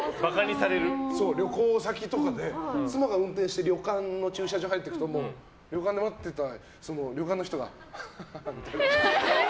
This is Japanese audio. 旅行先とかで妻が運転して旅館の駐車場に入っていくと旅館で待ってた旅館の人がハハハみたいな。